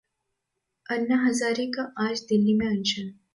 अन्ना हजारे का आज दिल्ली में अनशन